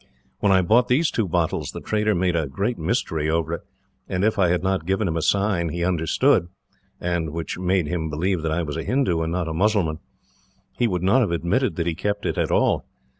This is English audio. When I bought these two bottles, the trader made a great mystery over it, and if I had not given him a sign he understood, and which made him believe that I was a Hindoo and not a Mussulman, he would not have admitted that he kept it at all.